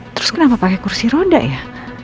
terus kenapa pakai kursi roda ya